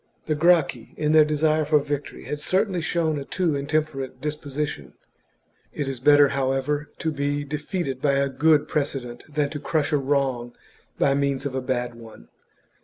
The Gracchi, in their desire for victory, had certainly shown a too intemperate disposition. It is better, however, to be defeated by a good precedent than to crush a wrong by means of a bad one.